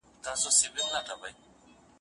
سپوږمۍ ستړې، غرونه چوپ وو